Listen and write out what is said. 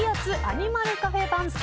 アニマルカフェ番付